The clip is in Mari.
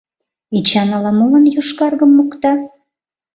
Эчан ала-молан йошкаргым мокта?..